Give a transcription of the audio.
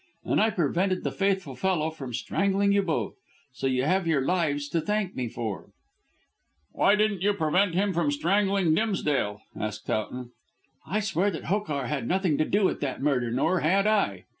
And I prevented the faithful fellow from strangling you both, so you have your lives to thank me for." "Why didn't you prevent him from strangling Dimsdale?" asked Towton. "I swear that Hokar had nothing to do with that murder, nor had I."